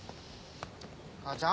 母ちゃん？